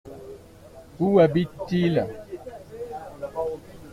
Où habitent-ils ?